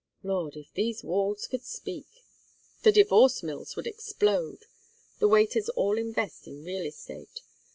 Lord! if these walls could speak! The divorce mills would explode. The waiters all invest in real estate.